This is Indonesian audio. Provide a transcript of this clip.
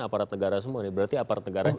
aparat negara semua berarti aparat negara